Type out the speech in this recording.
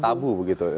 tabu begitu ya